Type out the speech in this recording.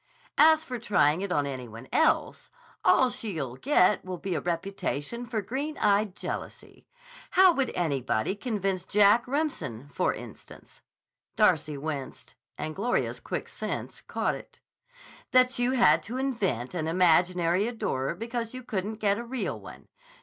As for trying it on any one else, all she'll get will be a reputation for green eyed jealousy. How would anybody convince Jack Remsen, for instance" (Darcy winced, and Gloria's quick sense caught it), "that you had to invent an imaginary adorer because you couldn't get a real one?